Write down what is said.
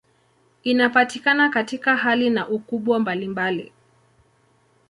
Inapatikana katika hali na ukubwa mbalimbali.